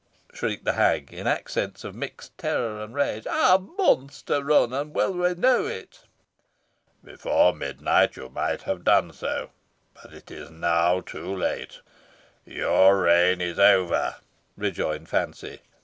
shrieked the hag, in accents of mixed terror and rage. "I have months to run, and will renew it." "Before midnight, you might have done so; but it is now too late your reign is over," rejoined Fancy.